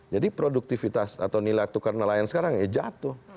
jadi produktivitas atau nilai tukar nelayan sekarang jatuh